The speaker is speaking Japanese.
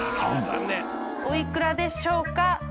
おいくらでしょうか？